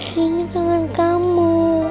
dini kangen kamu